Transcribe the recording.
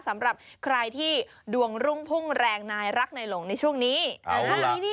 สำหรับใครที่ดวงรุ่งพุ่งแรงนายรักนายหลงในช่วงนี้ดิ